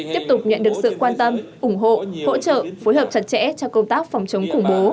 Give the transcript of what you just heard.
tiếp tục nhận được sự quan tâm ủng hộ hỗ trợ phối hợp chặt chẽ cho công tác phòng chống khủng bố